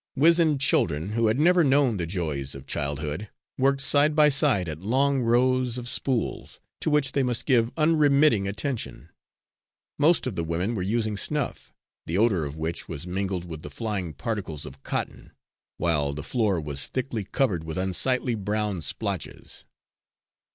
Wizened children, who had never known the joys of childhood, worked side by side at long rows of spools to which they must give unremitting attention. Most of the women were using snuff, the odour of which was mingled with the flying particles of cotton, while the floor was thickly covered with unsightly brown splotches.